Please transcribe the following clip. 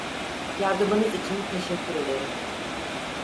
Yardımınız için teşekkür ederim.